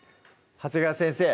長谷川先生